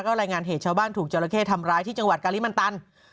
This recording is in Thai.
รายงานเหตุชาวบ้านถูกจราเข้ทำร้ายที่จังหวัดกาลิมันตัน